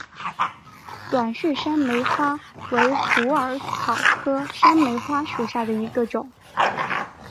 短序山梅花为虎耳草科山梅花属下的一个种。